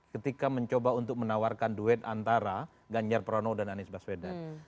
ketika mencoba untuk menawarkan duet antara ganjar pranowo dan anies baswedan